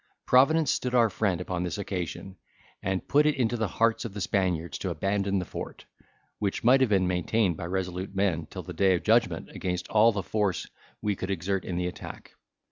Providence stood our friend upon this occasion, and put it into the hearts of the Spaniards to abandon the fort, which might have been maintained by resolute men till the day of judgment against all the force we could exert in the attack.